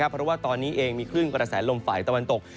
เพราะตอนนี้มีขึ้นกระแสลมไฟตะวนตก